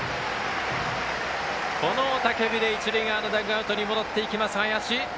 雄たけびで一塁側のダグアウトに戻っていきます、林。